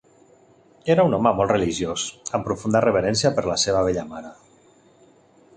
Era un home molt religiós amb profunda reverència per la seva vella mare.